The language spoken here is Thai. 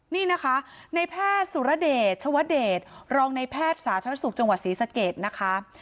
นี่นะคะในแพทย์สุรเดชชวเดชรองในแพทย์สาธารณสุขจังหวัดศรีสะเกดนะคะ